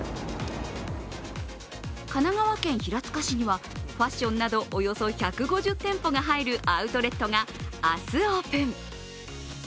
神奈川県平塚市にはファッションなどおよそ１５０店舗が入るアウトレットが明日オープン。